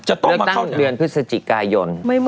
เลือกตั้งเรือนพฤศจิกายน